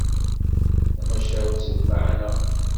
D tamacahut n lmeɛna.